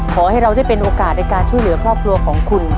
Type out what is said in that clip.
ขอให้เราได้เป็นโอกาสในการช่วยเหลือครอบครัวของคุณ